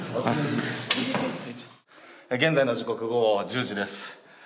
現在の時刻、午後１０時です。